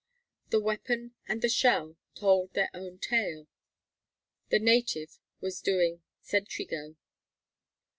The weapon and the shell told their own tale: the native was doing "sentry go."